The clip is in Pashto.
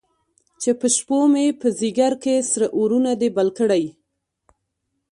چې په شپومې، په ځیګر کې سره اورونه دي بل کړی